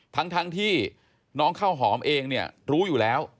ทั้งที่น้องข้าวหอมเองเนี่ยรู้อยู่แล้ว